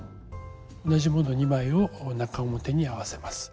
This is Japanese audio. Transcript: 同じもの２枚を中表に合わせます。